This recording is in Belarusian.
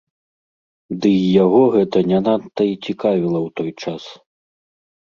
Дый яго гэта не надта і цікавіла ў той час.